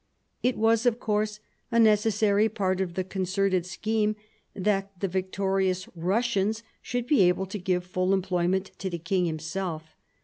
It was, of course, a necessary part of the concerted scheme that the victorious Russians should be able to give full employment to the king himself.